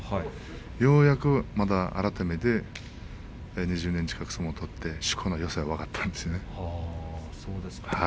ようやく改めて２０年近く相撲を取ってしこのよさが分かりました。